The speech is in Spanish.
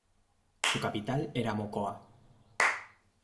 Su capital era Mocoa.